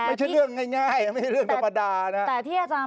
ไม่ใช่เรื่องง่ายไม่ใช่เรื่องธรรมดานะฮะ